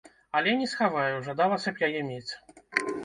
Але, не схаваю, жадалася б яе мець.